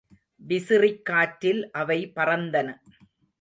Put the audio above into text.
விசிறிக்காற்றில் அவை பறந்தன.